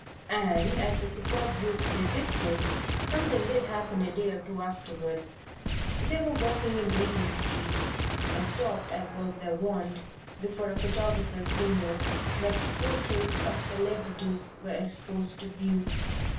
And, as the superb youth predicted, something did happen a day or two afterwards. They were walking in Regent Street, and stopped, as was their wont, before a photographer's window where portraits of celebrities were exposed to view.